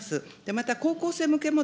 また高校生向けも、